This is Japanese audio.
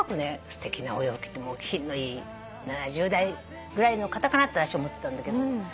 すてきなお洋服着て品のいい７０代ぐらいの方かなって思ってたんだけど。